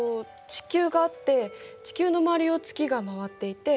地球があって地球の周りを月が回っていて。